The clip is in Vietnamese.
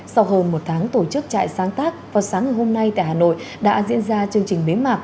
sau hơn một tháng tổ chức trại sáng tác vào sáng ngày hôm nay tại hà nội đã diễn ra chương trình bế mạc